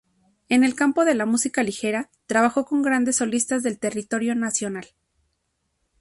En el campo de la música ligera trabajó con grandes solistas del territorio nacional.